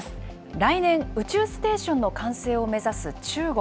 来年、宇宙ステーションの完成を目指す中国。